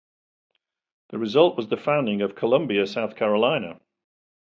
The result was the founding of Columbia, South Carolina.